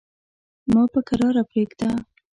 ما په کراره پرېږده.